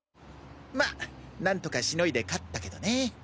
まあなんとかしのいで勝ったけどね。